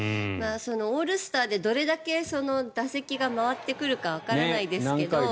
オールスターでどれだけ打席が回ってくるかわからないですけど。